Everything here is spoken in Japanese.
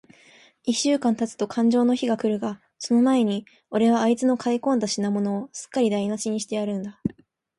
一週間たつとかんじょうの日が来るが、その前に、おれはあいつの買い込んだ品物を、すっかりだいなしにしてやるんだ。